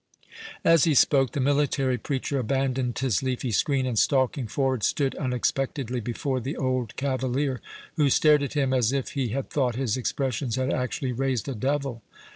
As he spoke, the military preacher abandoned his leafy screen, and stalking forward, stood unexpectedly before the old cavalier, who stared at him, as if he had thought his expressions had actually raised a devil.